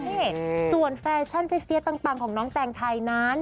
เฮ้ส่วนแฟชั่นฟรี๊ดฟรี๊ดปังปังของน้องแปลงไทยนั้น